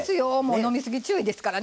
飲みすぎ注意ですからね。